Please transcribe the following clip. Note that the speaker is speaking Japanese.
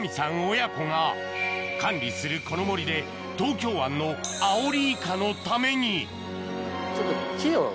親子が管理するこの森で東京湾のアオリイカのためにちょっと。